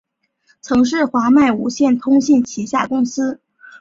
曾是华脉无线通信旗下公司。